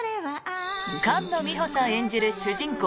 菅野美穂さん演じる主人公